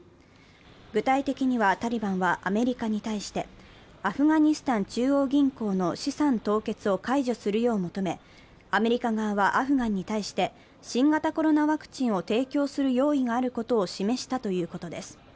具体的にはタリバンはアメリカに対してアフガニスタン中央銀行の資産凍結を解除するよう求め、アメリカ側はアフガンに対して新型コロナワクチンを提供する用意があることを示したということです。